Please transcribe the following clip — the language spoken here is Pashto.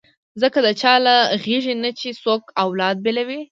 ځکه د چا له غېږې نه چې څوک اولاد بېلوي.